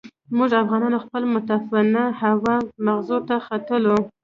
موږ افغانان خپل متعفنه هوا مغزو ته ختلې.